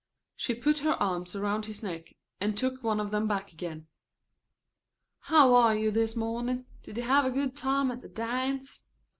She put her arms around his neck and took one of them back again. "How are you this morning? Did you have a good time at the dance?"